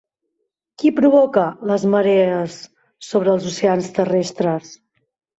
Qui provoca les marees sobre els oceans terrestres?